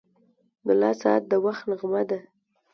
• د لاس ساعت د وخت نغمه ده.